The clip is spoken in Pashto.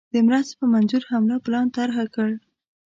د مرستي په منظور حمله پلان طرح کړ.